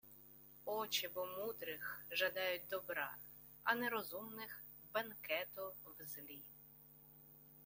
Очі-бо мудрих жадають добра, а нерозумних – бенкету в злі.